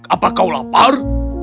apa kau lapar